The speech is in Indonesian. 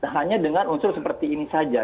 hanya dengan unsur seperti ini saja